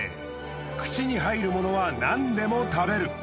口に入るものはなんでも食べる。